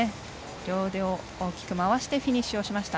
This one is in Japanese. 両腕を大きく回してフィニッシュをしました。